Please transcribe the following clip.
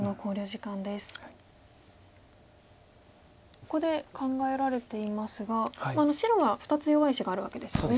ここで考えられていますが白は２つ弱い石があるわけですよね。